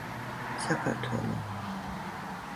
საქართველო.